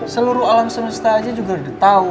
seluruh alam semesta aja juga udah tau